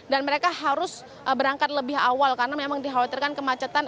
dan mereka harus berangkat lebih awal karena memang dikhawatirkan kemacetan